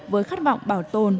với khát vọng bảo tồn